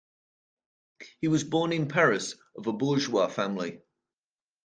He was born in Paris, of a bourgeois family.